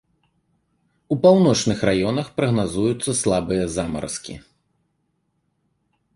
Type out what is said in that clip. У паўночных раёнах прагназуюцца слабыя замаразкі.